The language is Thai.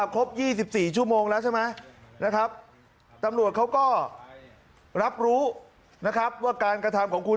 ครบ๒๔ชั่วโมงแล้วใช่ไหมนะครับตำรวจเขาก็รับรู้นะครับว่าการกระทำของคุณ